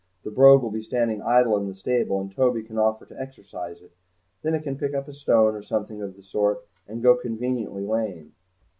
The Brogue will be standing idle in the stable and Toby can offer to exercise it; then it can pick up a stone or something of the sort and go conveniently lame.